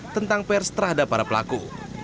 tentang pers terhadap para pelaku